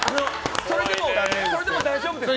それでも大丈夫ですか？